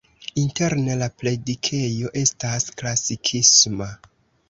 Interne la predikejo estas klasikisma.